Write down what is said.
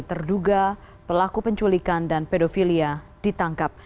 terduga pelaku penculikan dan pedofilia ditangkap